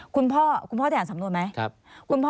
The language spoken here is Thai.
คุณพ่อคุณพ่อได้อ่านสำนวนไหม